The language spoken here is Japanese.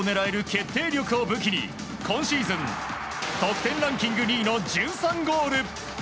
決定力を武器に今シーズン得点ランキング２位の１３ゴール。